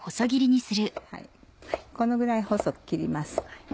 このぐらい細く切ります。